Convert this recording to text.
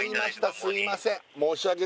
すいません